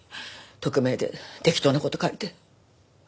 匿名で適当な事書いて。